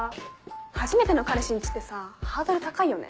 初めての彼氏ん家ってさハードル高いよね。